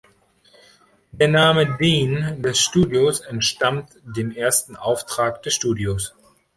Der Name „Deen“ des Studios entstammt dem ersten Auftrag des Studios.